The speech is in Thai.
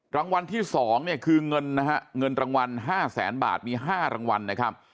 รางวัลที่๒เนี่ยคือเงินนะฮะเงินรางวัล๕แสนบาทมี๕รางวัลนะครับ